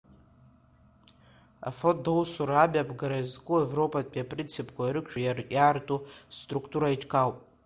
Афонд аусура амҩаԥгара иазку Европатәи апринципқәа ирықәшәо иаарту асруктура еиҿкаауп.